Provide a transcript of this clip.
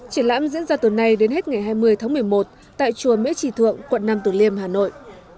triển lãm diễn ra tuần này đến hết ngày hai mươi tháng một mươi một tại chùa mỹ trì thượng quận năm tử liêm hà nội